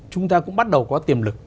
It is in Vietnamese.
chúng ta cũng bắt đầu có tiềm lực